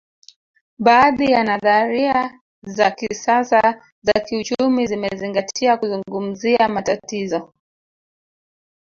Baadhi ya nadharia za kisasa za kiuchumi zimezingatia kuzungumzia matatizo